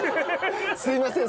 すいません